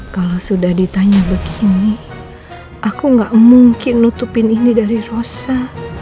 kalau sudah ditanya begini aku gak mungkin nutupin ini dari rosa